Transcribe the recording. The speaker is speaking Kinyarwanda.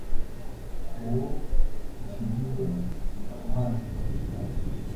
Uwo isigiwe Muhanyi wa Rusaza